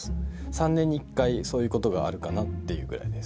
３年に１回そういうことがあるかなっていうぐらいです。